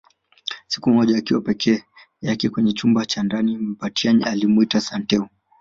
Siku moja akiwa peke yake kwenye chumba cha ndani Mbatiany alimwita Santeu